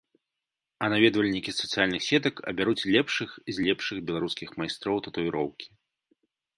А наведвальнікі сацыяльных сетак абяруць лепшых з лепшых беларускіх майстроў татуіроўкі.